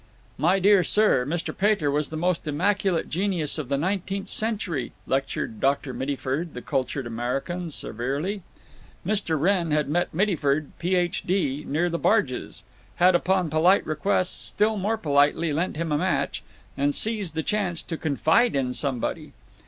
"My dear sir, Mr. Pater was the most immaculate genius of the nineteenth century," lectured Dr. Mittyford, the cultured American, severely. Mr. Wrenn had met Mittyford, Ph.D., near the barges; had, upon polite request, still more politely lent him a match, and seized the chance to confide in somebody.